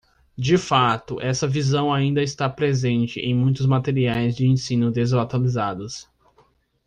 De fato, essa visão ainda está presente em muitos materiais de ensino desatualizados.